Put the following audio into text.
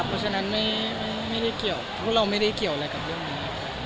เพราะฉะนั้นไม่ได้เกี่ยวกับเรื่องนี้